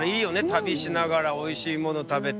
旅しながらおいしいもの食べて。